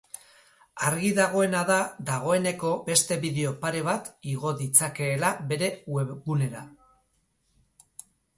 Argi dagoena da dagoeneko beste bideo pare bat igo ditzakeela bere webgunera.